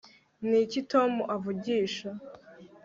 Niki Tom avugisha